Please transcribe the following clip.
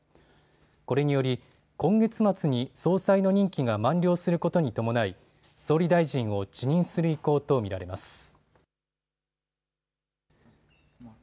これにより今月末に総裁の任期が満了することに伴い総理大臣を辞任する意向と見られます。